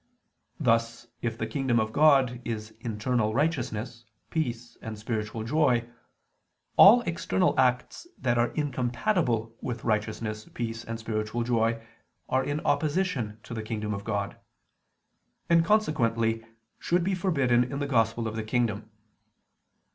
Thus if the kingdom of God is internal righteousness, peace, and spiritual joy, all external acts that are incompatible with righteousness, peace, and spiritual joy, are in opposition to the kingdom of God; and consequently should be forbidden in the Gospel of the kingdom.